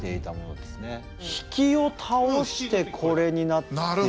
比企を倒してこれになってる。